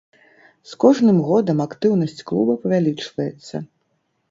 З кожным годам актыўнасць клуба павялічваецца.